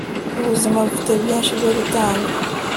Ubuzima bufite byinshi byo gutanga